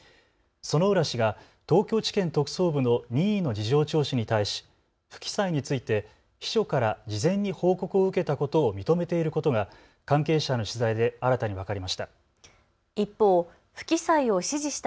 薗浦氏が東京地検特捜部の任意の事情聴取に対し、不記載について秘書から事前に報告を受けたことを認めていることが関係者への取材で新たに分かりました。